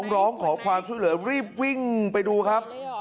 ร้องขอความช่วยเหลือรีบวิ่งไปดูครับ